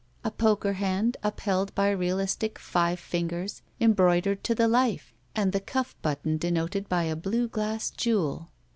A poker hand, upheld by realistic five fingers embroidered to the life, and the cuflf button denoted by a blue glass jewel.